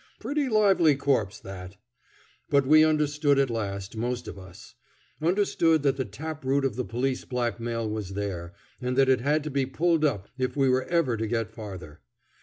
Pretty lively corpse, that! But we understood at last, most of us; understood that the tap root of the police blackmail was there, and that it had to be pulled up if we were ever to get farther.